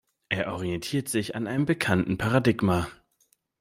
Er orientiert sich an einem bekannten Paradigma.